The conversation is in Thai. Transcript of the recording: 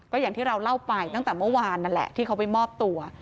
ก็อย่างที่เราเล่าไปตั้งแต่เมื่อวานนั่นแหละที่เขาไปมอบตัว